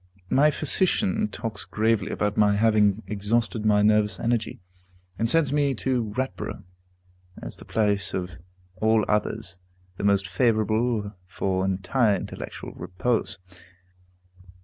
My physician talks gravely about my having exhausted my nervous energy, and sends me to Ratborough, as the place of all others the most favorable for entire intellectual repose.